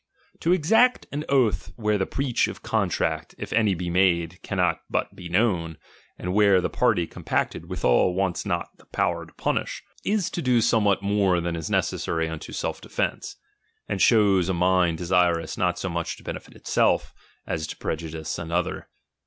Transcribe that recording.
To exact an oath where the breach of eon tract, if any be made, cannot but be known, and where the party compacted withal wants not power to punish, is to do somewhat more than is necessary unto self defence, and shews a mind de sirous not so much to benefit itself, as to prejudice another.